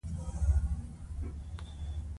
هغه لویه زغره په تن کړه.